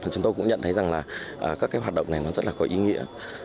chúng tôi cũng nhận thấy rằng là các cái hoạt động này nó rất là có ý nghĩa